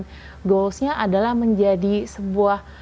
goalsnya adalah menjadi sebuah